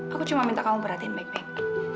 aku cuma minta kamu beratin baik baik